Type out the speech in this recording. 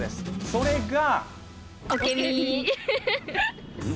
それが。